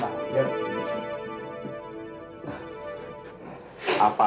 terima kasih pak